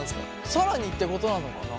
更にってことなのかな。